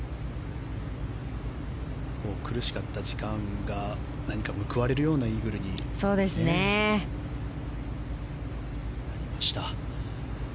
苦しかった時間が何か報われるようなイーグルになりました。